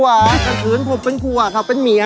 ขัดขืนผมเป็นผัวเขาเป็นเมีย